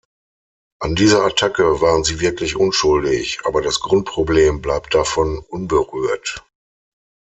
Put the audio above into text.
An dieser Attacke waren sie wirklich unschuldig, aber das Grundproblem bleibt davon unberührt.